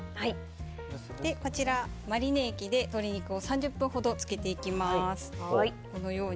こちら、マリネ液で鶏肉を３０分ほど漬けていきます。